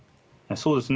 そうですね。